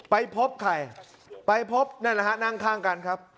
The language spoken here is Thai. ไปพบใครไปพบนั่นแหละฮะนั่งข้างกันครับ